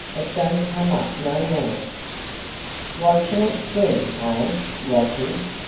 It don't come up no more." "Watchin' it swim, eh, was he?